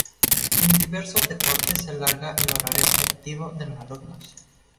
En diversos deportes se alargaba el horario lectivo de los alumnos.